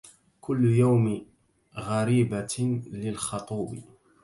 كل يوم غريبة للخطوب